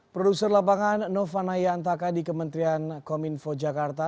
produser lapangan novanaya antaka di kementerian komunikasi jakarta